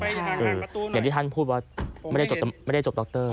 แต่ท่านพูดว่าไม่ได้จบดร